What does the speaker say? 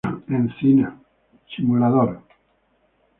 Encina, Simulador".